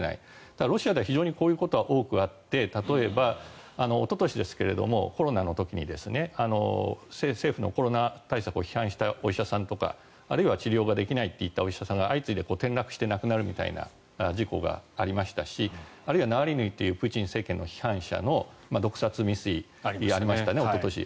ただ、ロシアでは非常にこういうことはよくあって例えば、おととしですがコロナの時に政府のコロナ対策を批判したお医者さんとかあるいは治療ができないといったお医者さんが相次いで転落して亡くなるみたいな事故がありましたしあるいは、ナワリヌイというプーチン政権の批判者の毒殺未遂ありましたねおととし。